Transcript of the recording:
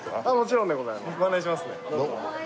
ご案内しますね。